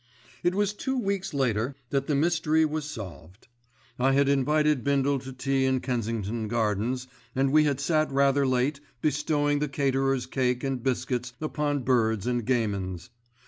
It was two weeks later that the mystery was solved. I had invited Bindle to tea in Kensington Gardens, and we had sat rather late bestowing the caterer's cake and biscuits upon birds and gamins.